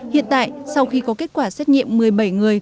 hiện tại sau khi có kết quả xét nghiệm một mươi bảy người